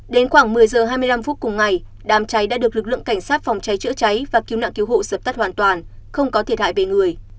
đến khoảng một mươi h hai mươi năm phút cùng ngày đám cháy đã được lực lượng cảnh sát phòng cháy chữa cháy và cứu nạn cứu hộ dập tắt hoàn toàn không có thiệt hại về người